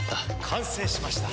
完成しました。